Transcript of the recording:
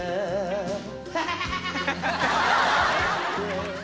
「ハハハハッ」